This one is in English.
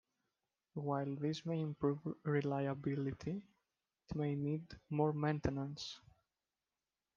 While this may improve reliability, it may need more maintenance.